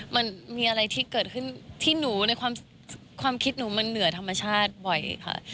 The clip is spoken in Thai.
มันมีอะไรที่เกิดขึ้นที่หนูในความคิดหนูมันเหนือธรรมชาติบ่อยค่ะ